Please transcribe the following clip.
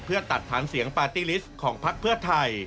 เพื่อตัดฐานเสียงปาร์ตี้ลิสต์ของพักเพื่อไทย